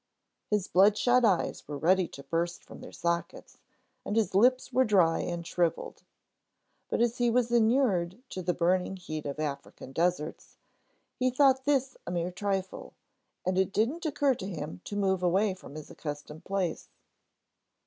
His bloodshot eyes were ready to burst from their sockets, and his lips were dry and shriveled. But as he was inured to the burning heat of African deserts, he thought this a mere trifle, and it didn't occur to him to move from his accustomed place.